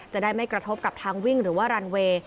จะได้ไม่กระทบกับทางวิ่งหรือว่ารันเวย์